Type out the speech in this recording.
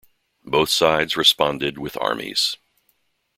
Both sides responded with armies.